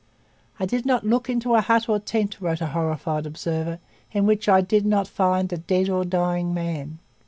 'I did not look into a hut or a tent,' wrote a horrified observer, 'in which I did not find a dead or dying man.'